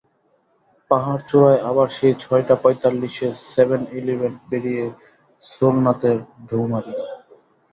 পাহাড়চূড়ায় আবার সেই ছয়টা পঁয়তাল্লিশে সেভেন ইলেভেন পেরিয়ে সোলনাতে ঢুঁ মারি।